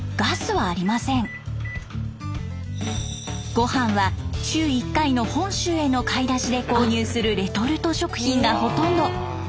ごはんは週１回の本州への買い出しで購入するレトルト食品がほとんど。